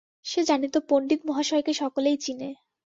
সে জানিত পণ্ডিতমহাশয়কে সকলেই চিনে।